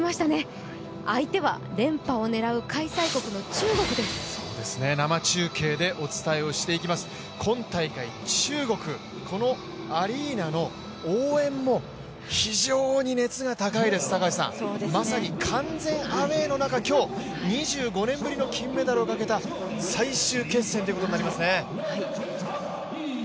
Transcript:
ヒューマンヘルスケアのエーザイ生中継でお伝えしていきます、今大会、中国、このアリーナの応援も非常に熱が高いです、まさに完全アウェーの中、今日２５年ぶりの金メダルをかけた最終決戦ということになりますね。